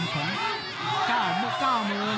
ก้าวเมือง